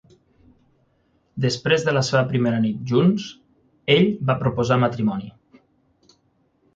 Després de la seva primera nit junts, ell va proposar matrimoni.